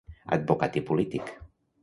Advocat i polític.